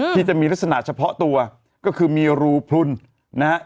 ที่จะมีลักษณะเฉพาะตัวก็คือมีรูพลุนนะฮะ